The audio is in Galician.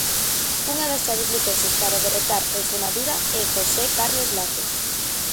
Unha das chaves lucenses para derrotar ao Estremadura é José Carlos Lazo.